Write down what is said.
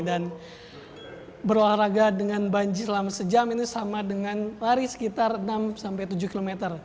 dan berolahraga dengan banji selama sejam ini sama dengan lari sekitar enam tujuh km